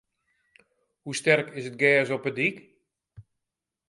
Hoe sterk is it gers op de dyk?